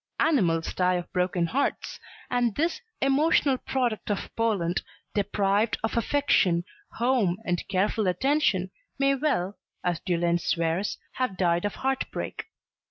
Animals die of broken hearts, and this emotional product of Poland, deprived of affection, home and careful attention, may well, as De Lenz swears, have died of heart break.